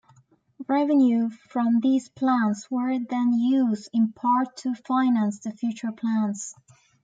Revenue from these plants were then used in part to finance the future plants.